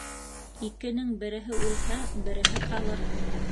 Икенең береһе үлһә, бере ҡалыр;